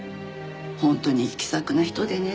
本当に気さくな人でね。